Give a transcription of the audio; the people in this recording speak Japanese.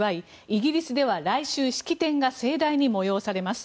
イギリスでは来週、式典が盛大に催されます。